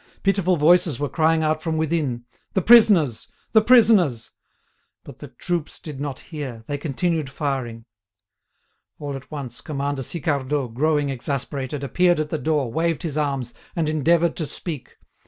Pitiful voices were crying out from within; "The prisoners! The prisoners!" But the troops did not hear; they continued firing. All at once Commander Sicardot, growing exasperated, appeared at the door, waved his arms, and endeavoured to speak.